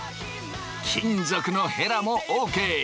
金属のヘラもＯＫ！